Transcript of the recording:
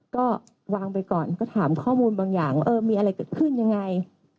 ก็วางไปก่อนก็ถามข้อมูลบางอย่างเออมีอะไรเกิดขึ้นยังไง